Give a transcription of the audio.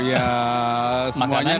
ya semuanya kan